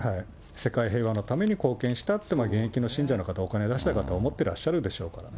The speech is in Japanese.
世界平和のために貢献したと、現役の信者の方、お金出した方は思ってらっしゃるでしょうからね。